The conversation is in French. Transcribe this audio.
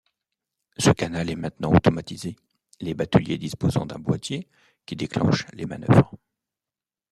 Ce canal est maintenant automatisé, les bateliers disposant d'un boitier qui déclenche les manœuvres.